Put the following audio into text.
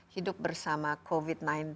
hidup bersama covid sembilan belas